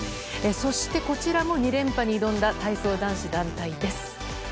そしてこちらも２連覇に挑んだ体操男子団体です。